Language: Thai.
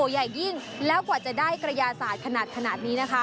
ใหญ่ยิ่งแล้วกว่าจะได้กระยาศาสตร์ขนาดนี้นะคะ